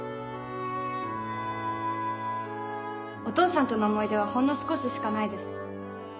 お父さんとの思い出はほんの少ししかないです。